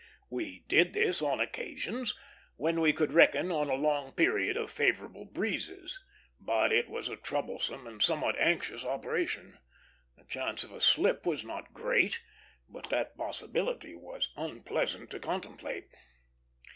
We did this on occasions, when we could reckon on a long period of favorable breezes; but it was a troublesome and somewhat anxious operation. The chance of a slip was not great, but the possibility was unpleasant to contemplate.